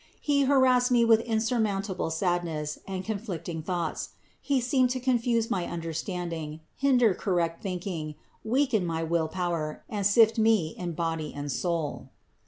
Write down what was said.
He harassed me with insurmountable sad ness and conflicting thoughts ; he seemed to confuse my understanding, hinder correct thinking, weaken my will power, and sift me in body and soul.